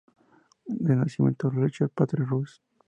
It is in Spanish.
De nacimiento Richard Patrick Russ.